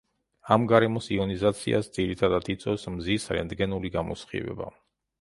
ამ გარემოს იონიზაციას ძირითადად იწვევს მზის რენტგენული გამოსხივება.